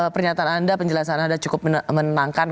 pernyataan anda penjelasan anda cukup menenangkan